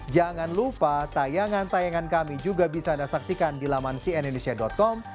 jangan lupa tayangan tayangan kami juga bisa anda saksikan di laman cnindonesia com